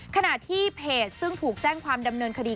ขณะที่เพจซึ่งถูกแจ้งความดำเนินคดี